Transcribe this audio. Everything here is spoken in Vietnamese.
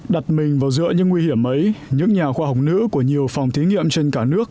đặt mình vào dựa những nguy hiểm ấy những nhà khoa học nữ của nhiều phòng thí nghiệm trên cả nước